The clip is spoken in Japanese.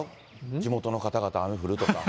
地元の方々、雨降るとか。